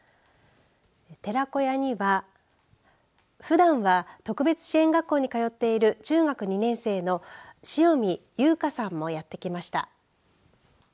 寺子屋にはふだんは特別支援学校に通っている中学２年生の潮見邑果さんもやって来ました。